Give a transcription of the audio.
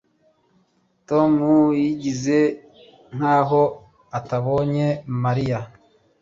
Tom yigize nkaho atabonye Mariya